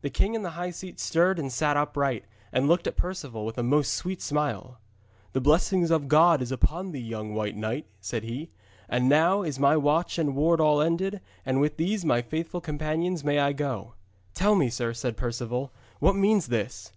The king in the high seat stirred and sat upright, and looked at Perceval with a most sweet smile. 'The blessing of God is upon thee, young White Knight,' said he, 'and now is my watch and ward all ended, and with these my faithful companions may I go.' 'Tell me, sir,' said Perceval, 'what means this?'